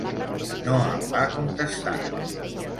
No em va contestar.